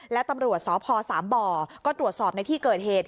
และตำรวจสพสามบ่อก็ตรวจสอบในที่เกิดเหตุ